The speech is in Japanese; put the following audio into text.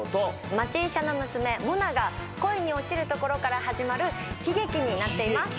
町医者の娘モナが恋に落ちるところから始まる悲劇になっています。